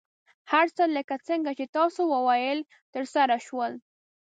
هر څه لکه څنګه چې تاسو وویل، ترسره شول.